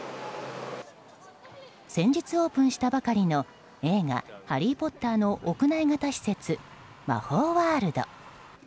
先日オープンしたばかりの映画「ハリー・ポッター」の屋内型施設、魔法ワールド。